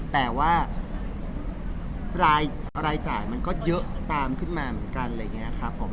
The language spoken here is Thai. แต่ว่ารายจ่ายมันก็เยอะตามขึ้นมาเหมือนกัน